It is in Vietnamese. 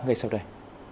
ngày sau đây